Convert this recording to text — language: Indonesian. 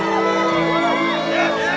kepala maskernya tidak pernah dimakai